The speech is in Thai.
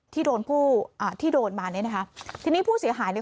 ที่โดนผู้อ่าที่โดนมาเนี้ยนะคะทีนี้ผู้เสียหายเนี่ย